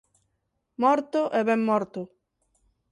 Morto e ben morto.